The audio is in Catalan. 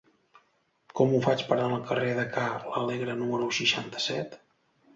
Com ho faig per anar al carrer de Ca l'Alegre número seixanta-set?